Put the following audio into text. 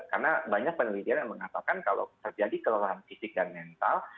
karena banyak penelitian yang mengatakan kalau terjadi kelelahan fisik dan mental